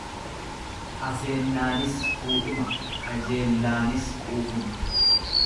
Aseennaanis fuudhuma, kajeellaanis quufuma.